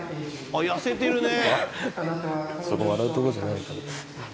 あっ痩せてるね！